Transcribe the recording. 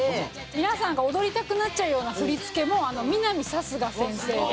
皆さんが踊りたくなっちゃうような振り付けも南流石先生で。